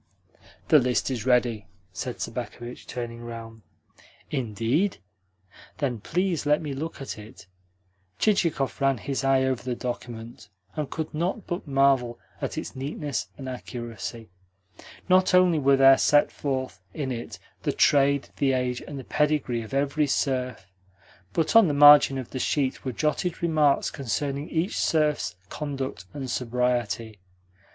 "The list is ready," said Sobakevitch, turning round. "Indeed? Then please let me look at it." Chichikov ran his eye over the document, and could not but marvel at its neatness and accuracy. Not only were there set forth in it the trade, the age, and the pedigree of every serf, but on the margin of the sheet were jotted remarks concerning each serf's conduct and sobriety.